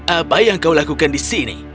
apa yang kau lakukan disini